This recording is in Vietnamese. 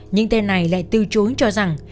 nhưng tên này lại từ chối cho rằng